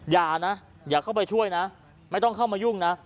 อย่านะอย่าเข้าไปช่วยนะไม่ต้องเข้ามายุ่งนะ